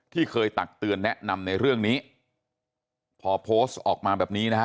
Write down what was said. เคยตักเตือนแนะนำในเรื่องนี้พอโพสต์ออกมาแบบนี้นะฮะ